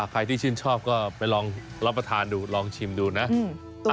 ใครที่ชื่นชอบก็ไปลองรับประทานดูลองชิมดูนะ